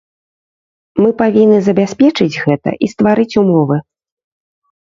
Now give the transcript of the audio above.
Мы павінны забяспечыць гэта і стварыць умовы.